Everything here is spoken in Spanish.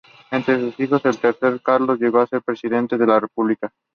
Entre sus hijos, el tercero, Carlos llegó a ser Presidente de la República.